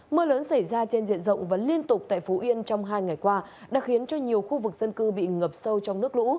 mưa lớn xảy ra trên diện rộng và liên tục tại phú yên trong hai ngày qua đã khiến cho nhiều khu vực dân cư bị ngập sâu trong nước lũ